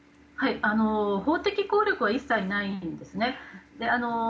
法的効力は一切ないんですね。